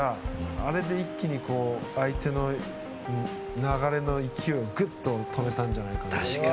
あれで一気に相手の流れの勢いをグッと止めたんじゃないかなと。